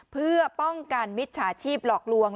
เพื่อป้องกันมิจฉาชีพหลอกลวง